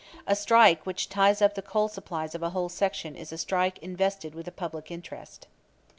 A strike which ties up the coal supplies of a whole section is a strike invested with a public interest.